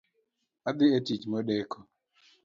Adhi e tich modeko